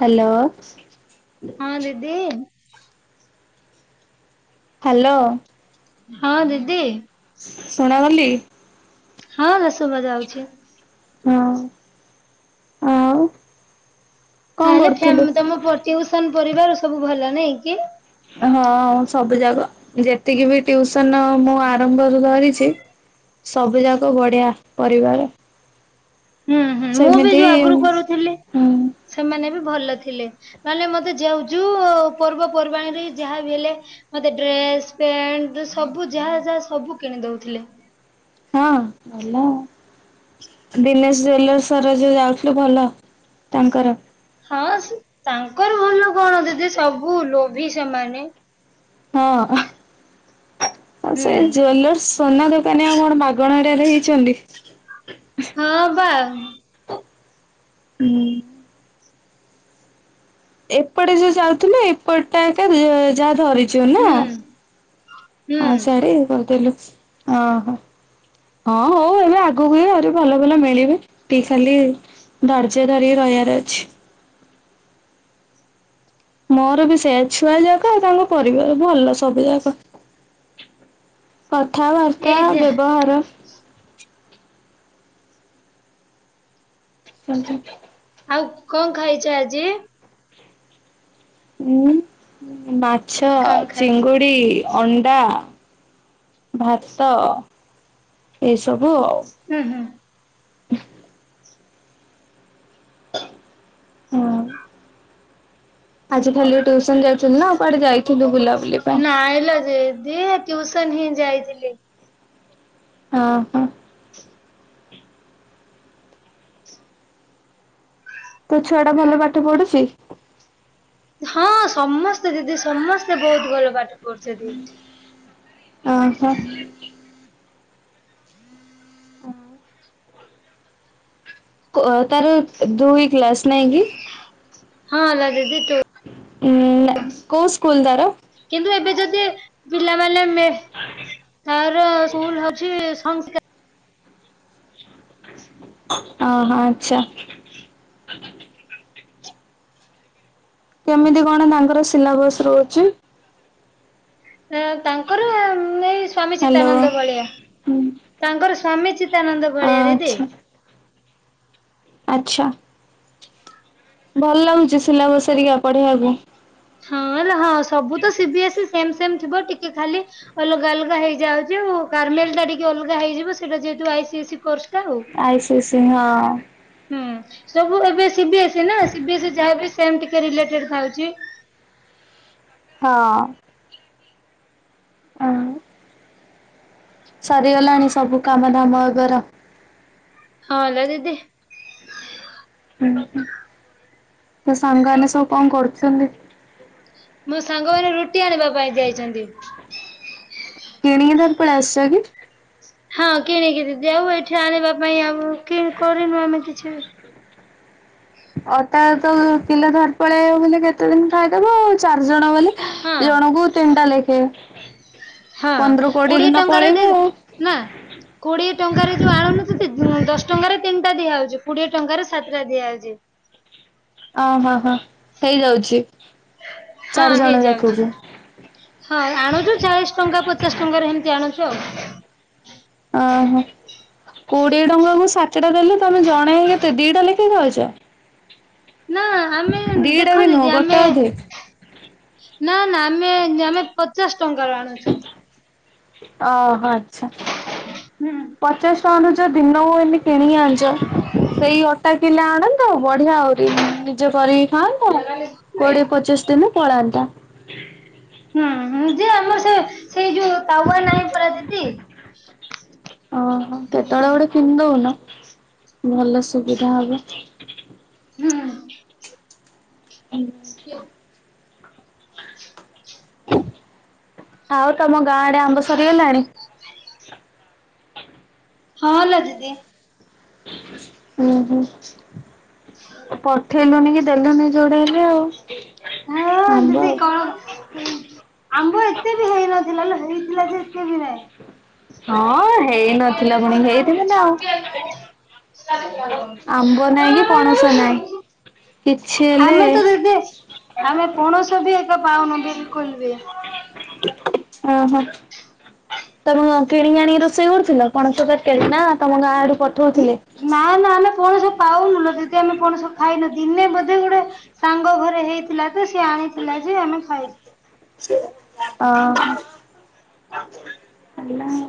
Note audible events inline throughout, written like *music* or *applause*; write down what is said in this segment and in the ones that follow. Hello ହଁ ଦିଦି ଇ-ଇ hello ହଁ ଦିଦି ଶୁଣା ଗଲି ହଁ ବା ଶୁଭା ଯାଉଛି। ହଁ *inaudible* ଆଉ କଣ ତାହେଲେ କରୁଥିଲୁ? ଫ୍ୟାମ ତମ ପୁଅ ଟିଉସନ ପରିବାର ସବୁ ଭଲ ନାଇଁ କି? ହଁ ସବୁ ଯାଗା ଯେତିକି ବି ଟଉସନ ମୁଁ ଆରମ୍ଭରୁ ଧରିଛି। ସବୁ ଯାକ ବଢିଆ ପରିବାର। ହୁଁ ହୁଁ ମୁଁ ବି ସେମିତି ଯୋଉ ଆଗରୁ କରୁଥିଲି। ହୁଁ ସେମାନେ ବି ଭଲ ଥିଲେ ନହେଲେ ମତେ ଯେଉ ଯେଉ ପର୍ବପର୍ବାଣୀରେ ଯାହା ବି ହେଲେ ମତେ ଡ୍ରେସ ପ୍ୟାଣ୍ଟ ସବୁ ଯାହା ଯାହା ସବୁ କିଣି ଦଉଥିଲେ। ହଁ ଭଲ ଆଉ। ଦିନେଶ ଜୁଏଲର୍ସ ଯାଉଥିଲୁ ଭଲ ତାଙ୍କର ହଁ ତାଙ୍କର ଭଲ କଣ ଦିଦି ସବୁ ଲୋଭି ସେମାନେ। ହଁ ହୁଁ ସେ ଜୁଏଲର୍ସ। ସୋନା ଦୋକାନୀ ଆଉ କଣ ମାଗଣାଟାରେ ହେଇଛନ୍ତି। ହଁ ବା। ହୁଁ। ଏପଟେ ଯୋଉ ଯାଉଥିଲେ ଏପଟ ଟା ଏକ ଏକା ଯାହା ଧରି ଚୁନା ହୁଁ ହୁଁ ଆଉ ସିଆଡେ ଇଏ କରିଦେଲୁ ଓହୋ। ହଁ ହଉ ଏବେ ଆଗକୁ ଆହୁରି ଭଲ ଭଲ ମିଳିବେ ତି ଶାଲି ଧର୍ଯ୍ୟ ଧରି ରହିବାର ଅଛି। ମୋର ବି ସେ ଛୁଆ ଯାକ ଆଉ ତାଙ୍କ ପରିବାର ଭଲ ସବୁ ଯାକ। କଥାବାର୍ତ୍ତା ଏଇ ବ୍ୟବହାର। ହ ଆଉ କଣ ଖାଇଛ ଆଜି? ଉଁ ମାଛ କଣ ଖାଇ ଚିଙ୍ଗୁଡି। ଅଣ୍ଡା ଭାତ ଏଇସବୁ ଆଉ ହୁଁ ହୁଁ। ହଁ। ଆଜି ଖାଲି ଟ୍ୟୁସନ ଯାଇଥିଲୁ ନାଉ କୁଆଡେ ଯାଇଥିଲୁ ବୁଲାବୁଲି? ପାଇଁ? ନାଇଲୋ ଦିଦି ଟ୍ୟୁସନ ହିଁ ଯାଇଥିଲି। ହଁ ହଁ। ତୋ ଛୁଆ ଟା ଭଲ ପାଠ ପଢୁଚି? ହଁ ସମସ୍ତେ ଦିଦି ସମସ୍ତେ ବହୁତ ଭଲ ପାଠ ପଢୁଛନ୍ତି। ଓହୋ। *inaudible* ଓ ତାର ଦୁଇ କ୍ଲାସ୍। ନାଁଗି ହଁ ଲୋ ଦିଦି ତୁ ଉଁ କୋଉ ସ୍କୁଲ ତାର? କିନ୍ତୁ ଏବେ ଯଦି ପିଲାମାନେ ମେ ମାନେ ତାର ସ୍କୁଲ ହଉଛି। ହଁ ଓ ହୋ ଆଚ୍ଛା। କେମିତି କଣ ତାଙ୍କର ସିଲାବସ ରହୁଛି? ତାଙ୍କର ଏଇ ସ୍ଵାମୀ ହ୍ୟାଲୋ ଚିତାନନ୍ଦ ଭଳିଆ ତାଙ୍କର ସ୍ଵାମୀ ଚିତ୍ ଚିତାନନ୍ଦ ଭଳିଆ ଦିଦି। ଆଚ୍ଛା ଆଚ୍ଛା। ଭଲ ଲାଗୁଛି ସିଲାବସ ହେରିକା ପଢେଇିବାକୁ। ହଁ ହେଲା ହଁ ସବୁ ତ CB S C same same ଥିବ ଟିକେ ଖାଲି ଅଲଗା ଅଲଗା ହେଇଯାଉଛି ଆଉ କାରମେଲ ଟା ଟିକେ ଅଲଗା ହେଇଯିବ ସେଇଟା ଯେହେତୁ ଆଇ ସି ଏସି କୋର୍ସଟା ଆଉ ଆଇସିଏସିି ହଁ। ହୁଁ ସବୁ ଏବେ ସିବି ଏସ୍ ସି ନା ସିିବି ଏସ୍ ଯାହାବି ସେ ଟିକେ ରିଲେଟେଡ ଖାଉଛି। ହଁ। ହଁ। ସରିଗଲାଣି ସବୁ କାମ ଧାମ ଏବର। ହଁ ଲୋ ଦିଦି। ତ ସାଙ୍ଗମାନେ ସବୁ କଣ କରୁଛନ୍ତି? ମୋ ସାଙ୍ଗ ମାନ ରୁଟି ଆଣିବା ପାଇଁ ଯାଇଛନ୍ତି। କିଣିକି ଧରି ପଳେଇ ଆସିଛ କି? ହଁ କିଣିକି ଦିଦି ଏଇଠି ଆଣିବା ପାଇଁ ଆଉ କି କରିନୁ ଆମେ କିଛି ବି। ଅଟା ତ କିଲୋ ଧର ପଳେଇବ କେତେ ଦିନ ଖାଇଦବ ଆଉ ଚାରିଜଣ ବୋଲି ହଁ ଜଣଙ୍କୁ ତିନିଟା ଲେଖେ। ହଁ ପନ୍ଦର କୋଡିଏ ଦିନ ଟଙ୍କାର ପଳେଇବ ଦେଦେ ଆଉ। ନା କୋଡିଏ ଟଙ୍କାରେ ଯୋଉ ଆଣୁନ ଦିଦି, ଦଶ ଟଙ୍କାରେ ତିନିଟା ଦିଆହଉଛି, କୋଡିଏ ଟଙ୍କାରେ ସାତଟା ଦିଆହଉଛି। ଓ ହଁ ହଁ ହଁ ହେଇଯାଉଛି। ହଁ ଚାରି ଜଣ ହେଇଯାଉଛି। ଯାକକୁ ହଁ ଆଣୁଛୁ ଚାଳିଶ ଟଙ୍କା ପଚାଶ ଟଙ୍କାରେ ହେମିତି ଆଣୁଛୁ ଆଉ। ଓହୋ କୋଡିଏ ଟଙ୍କା କୁ ସାତଟା ଦେଲେ, ତମେ ଜଣେ କେତେ ଦିଟା ଲେଖା ଖାଉଛ? ନା ଆମେ, ଦିଟା ଦେଖ ବି ନୁହଁ ଦିଦି ଗୋଟେ ଆମେ ଅଧେ ନା ନା ଆମେ, ଆମେ ପଚାଶ ଟଙ୍କାର ଆଣୁଛୁ। ଓହୋ ଆଚ୍ଛା। ହୁଁ ପଚାସ ଟଙ୍କାର ଯ ଦିନକୁ ଏନି କିନିକି ଆଣୁଛ। ସେଇ ଅଟା କିଲେ ଆଣନ୍ତ, ବଢିଆ ଆହୁରି ନିଜେ କରିକି ଖାନ୍ତ, କୋଡିଏ ପଚିଶ ଦିନ ପଳାନ୍ତା। ହୁଁ ଯେ ଆମର ସେ ସେଇ ଯୋଉ ତାୱା ନାହିଁ ପରା ଦିଦି। ଓହୋ କେତେବେଳେ ଗୋଟେ କିଣ ଦଉନ ଭଲ ସୁବିଧା ହବ। ହୁଁ। ହୁଁ। *unintelligible* ଆଉ ତମ ଗାଁ ଆଡେ ଆମ୍ବ ସରିଗଲାଣି? ଖାଇ ହଁ ଲୋ ଦିଦି। ହୁଁ ହୁଁ, ପ ଠେଇଲୁନି କି ଦେଲୁନି ଯୋଡେ ହେଲେ ଆଉ। ହଁ ଆମ୍ବ ଦିଦି ଆଉ। କଣ ଆମ୍ବ ଏତେ ବି ହେଇନଥିଲା ଲୋ, ହେଇଥିଲା ଯେ ଏତେ ବି ନାହିଁ। ହଁ ହେଇନଥିଲା ପୁଣି, ହେଇଥିଲି ନା ଆଉ। *unintelligible* ଆମ୍ବ ନାଇଁ କି ପଣସ ନାଇଁ, କିଛି ହେଲେ ଆମେ ତ ଦିଦି, ଆମେ ପଣସ ବି ଏତେ ପାଉନୁ ବିଲକୁଲ ବି। ଓହୋ। ତମ କିଣି ଆାଣିିକି ରୋଷେଇ କରୁଥିଲ, ପଣସ ତରକାରୀ ନା ତମ ଗାଁ ଆଡୁ ପଠଉଥିଲେ? ନା ନା ଆମେ ପଣସ ପାଉନୁ ଲୋ ଦିଦି, ଆମେ ପଣସ ଖାଇନୁ ଦିନେ ବୋଧେ ଗୋଟେ ସାଙ୍ଗ ଘରେ ହେଇଥିଲା ତ, ସିଏ ଆଣିଥିଲା ଯେ ଆମେ ଖାଇଛୁ। ଓ ହୋ। ଖାଲିଲା ଆଉ।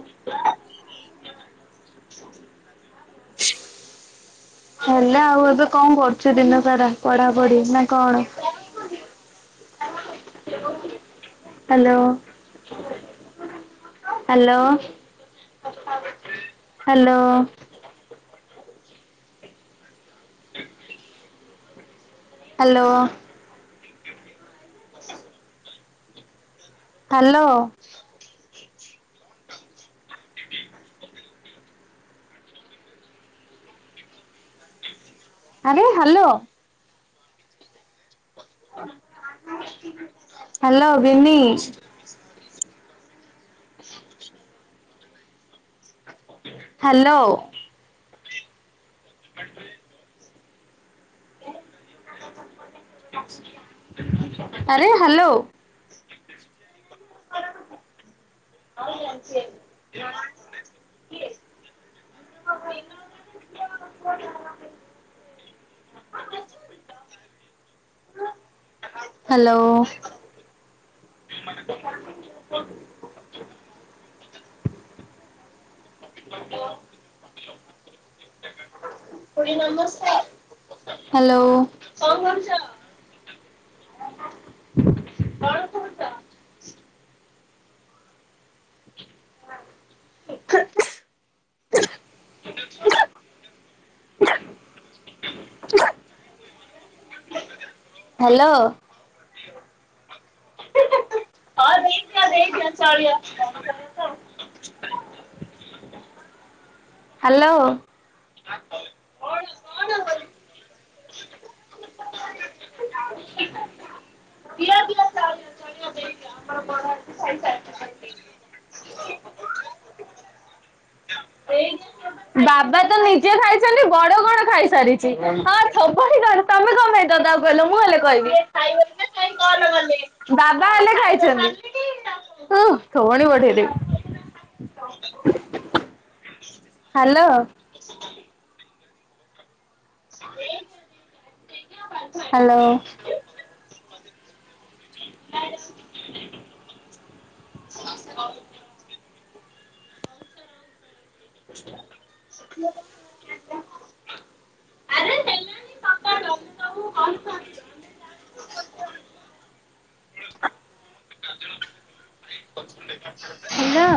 ହେଲା ଆଉ ଏବେ କଣ କରୁଛୁ ଦିନ ସାରା, ପଢା ପଢି ନା କଣ? ହ୍ୟାଲୋ। Hello hello? ହ ହ୍ୟାଲୋ। ହ୍ୟାଲୋ। ଠିକ ଆରେ ହ୍ୟାଲୋ। ହ୍ୟାଲୋ ବିିନି। ହ୍ୟାଲୋ। *inaudible* ଆରେ ହ୍ୟାଲୋ। ହଉ *inaudible* ହ୍ୟାଲୋ। ମାନେ ହଁ ହ୍ୟାଲୋ। ହ୍ୟାଲୋ। ଆ ଦେଖ ଦେଖ ଚାଆ ହାଲୋ। ଆ ଏଇ ବାବା ତ ନିଜେ ଖାଇଛନ୍ତି ବଡ କଣ ଖାଇସାରିଛି ହଁ ତମେ କ ତକୁ କହିଲ ମୁଁ ହେଲେ କହିବିଣ କଲେ ଦାଦା ହେଲେ ଖାଇଛନ୍ତିୁଁ ଉଣୀ ବଠେଇଦେବି ହ୍ୟାଲୋ। ହ୍ୟାଲୋ। ଆ ହେଲୋ।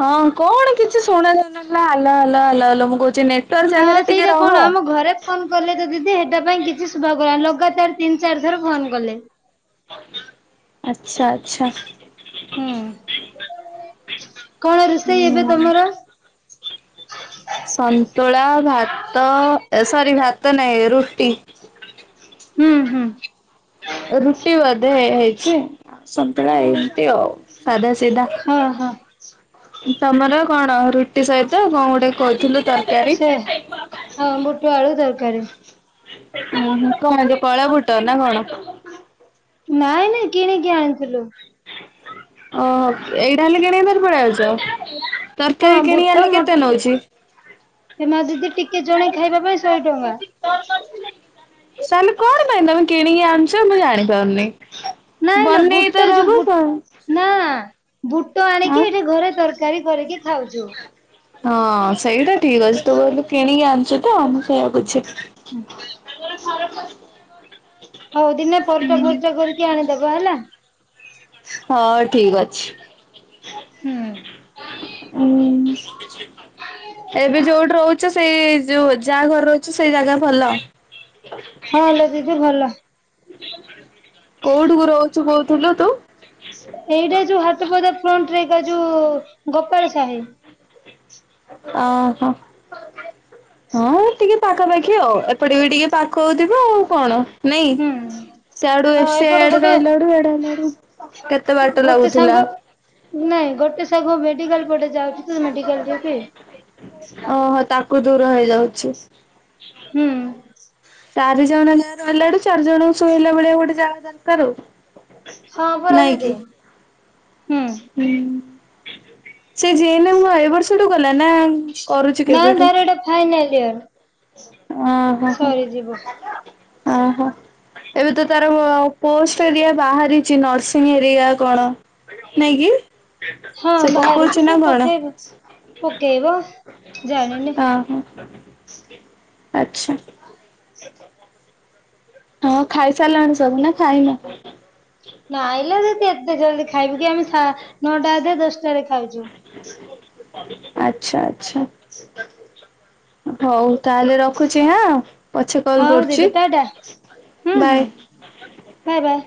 ହଁ କଣ କିଛି ଶୁଣ ଯାଉନଥିଲା ହାଲ ହାଲ ହାଲ ହାଲ ମୁଁ କହୁଚି ନେ ଟୱାର୍କ ହଁ ଜାଗାରେ ଟିକେ ସେଇଟା ରହ। କଣ ଆମ ଘରେ ଫୋନ କଲେ ତ ଦିଦି ସେଟା ପାଇଁ କିଛି ଶୁଭା କଲା ଲଗାତାର ତିନି ଚାର ଥର ଫୋନ କଲେ। ଆଚ୍ଛା ଆଚ୍ଛା। ହୁଁ କଣ ରୋଷେଇ ଏବେ ହୁଁ ତମର? ସନ୍ତୁଳା ଭାତ ସରି ଭାତ ନାଇଁ ରୁଟି। ହୁଁ ହୁଁ। ରୁଚି ବଧେ ହେଇଚି ସନ୍ତୁଳା ଏମତି ଆଉ। ସାଧା ସିଧା। ହଁ ହଁ ତମର କଣ ରୁଟି ସହିତ କଣ ଗୋଟେ କହୁଥିଲୁ ତ ସେ ହଁ ବୁଟ ଆଳୁ ତରକାରୀ ଉ କଣ ଯେ କଳା ଵୁଟ ନା କଣ? ନାଇଁ ନାଇଁ କିଣିକି ଆଣିଥିଲୁ ଓହୋ ଏଇଟା ହେଲେ କିଣ ତାର ପଳେଇ ଯାଉଛ ହଁ ତରକାରୀ କିଣ ବୁଟ ଆଲେ ମ କେତେ ନଉଛି? ଏ ମା ଦିଦି ଟିକେ ଜଣେ ଖାଇବା ପାଇଁ ଶହେ ଟଙ୍କା ସାନୁ କଣ ପାଇଁ ତୁମେ କିଣିକି ଆଣୁଛ ମୁଁ ଯାଣି ପାରୁନି ନାଇଁଲୋ ବନେଇ ବୁଟ ତ ଯୋଉ ବୁ ରହୁସ ନା ବୁଟ ଆଣିକି ଏଠି ଘରେ ତରକାରୀ କରିକି ଖାଉଛୁ ହଁ ସେଇଟା ଠିକ ଅଛି ତୁ କହିଲୁ କିଣିକି ଆଣିଛୁ ତ ମୁଁ ସେଇଆକୁଛି ହୁଁ। ସର *unintelligible* ହଉ ଦିନେ ପରଟା ଫର୍ଚା କରିକି ଆଣିଦବା ହେଲା। ହଁ ଠିକ ଅଛି। ହୁଁ। ହୁଁ ଏବେ ଯୋଉଠି ରହୁଛ ସେଇ ଯୋଉ ଯାହା ଘର ଅଛି ସେଇ ଜାଗା ଭଲ ହଁ ହେଲା ଦିଦି ଭଲ କୋଉଠି କୁ ରହୁଛୁ କହୁଥିଲୁ ତୁ? ଏଇଟା ଯୋଉ ହାଟପଦା ଫ୍ରଣ୍ଟ ରେ ଏକା ଯୋଉ ଗୋପାଳ ସାହି ଓହୋ। ହଁ ଟିକେ ପାଖାପାଖି ଆଉ ଏପଟେ ବି ଟିକେ ପାଖ ହଉଥିବ ଆଉ କଣ ନାଇଁ। ହୁଁ। ସେଆଡୁ ହଁ ଏଡେ ଏପଟେ ଗୋଟେ ରହିଲା ବେଡୁ ଏଡେ ହେଲା ବଡୁ କେତେ ବାଟ ଗୋଟେ ଲାଗୁଥିଲା ସାଙ୍ଗ ନାଇଁ ଗୋଟେ ସବୁ ମେଡିକାଲ ପଟେ ଯାଉଛି ତ ମେଡିକାଲ ଦ୍ୟୁଟି ଓହୋ ତାକୁ ଦୂର ହେଇଯାଉଛି ହୁଁ। ଚାରି ଜଣ ଯାଁ ରହିଲାଡୁ ଚାରି ଜଣଙ୍କୁ ଶୋଇଲା ଭଳିଆ ଗୋଟେ ଯାହା ଦରକାର ଆଉ ହଁ ପରା ଦିଦି ହୁଁ ହୁଁ। ସେ ଯିଏଲେ ମୁଁ ଏ ବର୍ଷଠୁ ଗଲା ନା କରୁଛି ନା ତାର ଏଇଟେ ଫାଇନାଲ ଇୟର ଓ ହୋ ହୋ ସରିଯିବ ଓ ହୋ। ଏବେ ତ ତାର ପୋଷ୍ଟ ଏରିଆ ବାହାରିଛି ନର୍ସିଂ ଏରିଆ କଣ ନାଇଁ କିି ହଁ ସେ ବାହାରିଛି ପକଉଛି ସେ ନା କଣ? ପକେଇବ ପକେଇବ ଜାଣିନି ଆଛା। ହଁ ଖାଇସାରିଲାଣି ସବୁ ନା ଖାଇନ? ନ ଆଲେ ଯଦି ଏତେ ଜଲ୍ଦି ଖାଇବୁ କି ଆମେ ନଅଟା ଅଧ ଦଶଟାରେ ଖାଉଛୁ ଆଚ୍ଛା ଆଚ୍ଛା। ହଉ ତାହେଲେ ରଖୁଛି ହଁ ପଛେ କଲ୍ ହଉ କରୁଛି ଦିଦି ଟାଟା ହୁଁ ହୁଁ ବାଏ ବାଏ ବାଏ